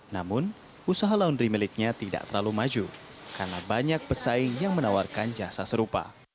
namun usaha laundry miliknya tidak terlalu maju karena banyak pesaing yang menawarkan jasa serupa